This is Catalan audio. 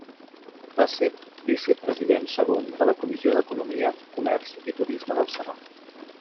Va ser vicepresident segon de la Comissió d'Economia, Comerç i Turisme del Senat.